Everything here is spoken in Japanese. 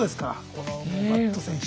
このバット選手。